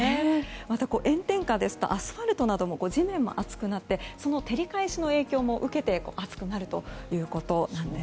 また、炎天下ですとアスファルトなど地面も暑くなってその照り返しの影響も受けて暑くなるということなんです。